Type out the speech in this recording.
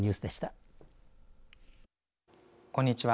こんにちは。